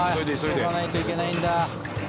急がないといけないんだ。